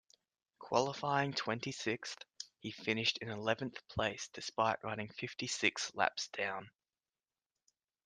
Qualifying twenty-sixth, he finished in eleventh place despite running fifty-six laps down.